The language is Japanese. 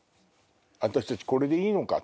私たちこれでいいのか？